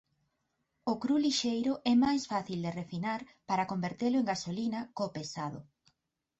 O cru lixeiro é máis fácil de refinar para convertelo en gasolina có pesado.